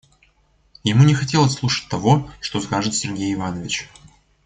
Ему не хотелось слушать того, что скажет Сергей Иванович.